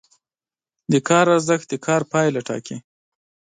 د کار ارزښت د کار پایله ټاکي.